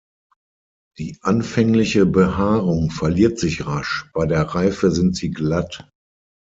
Die anfängliche Behaarung verliert sich rasch, bei der Reife sind sie glatt.